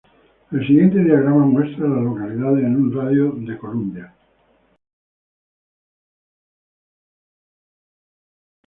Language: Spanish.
El siguiente diagrama muestra a las localidades en un radio de de Columbia.